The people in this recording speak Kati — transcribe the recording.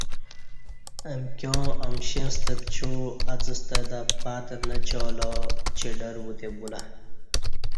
امکیاں امشیݩستہ پچوع اڅستہ تہ پہتہ نچالاچہ ڈربوتے بولہ